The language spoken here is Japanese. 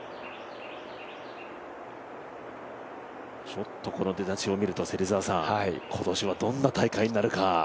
ちょっとこの出だしを見ると今年はどんな大会になるか。